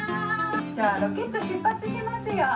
じゃあロケットしゅっぱつしますよ。